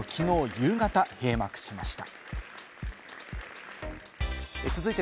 夕方閉幕しました。